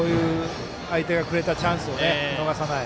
相手がくれたチャンスを逃さない。